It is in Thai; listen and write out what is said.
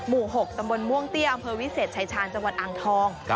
หมู่๖ตำบลม่วงเตี้ยอำเภอวิเศษชายชาญจังหวัดอ่างทอง